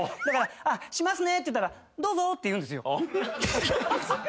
だから「しますね」って言ったら「どうぞ」って言うんですよ。